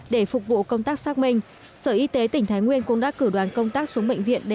để phục vụ công tác xác minh sở y tế tỉnh thái nguyên cũng đã cử đoàn công tác xuống bệnh viện để